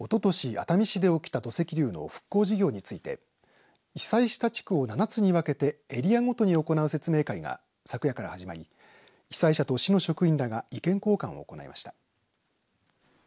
熱海市で起きた土石流の復興事業について被災した地区を７つに分けてエリアごとに行う説明会が昨夜から始まり被災者と市の職員らが意見交換を行いました。